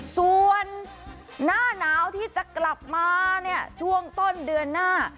ส่วนหน้าหนาวที่จะกลับมาเนี่ยช่วงต้นเดือนหน้า